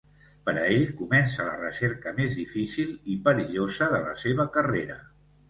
Per a ell, comença la recerca més difícil i perillosa de la seva carrera.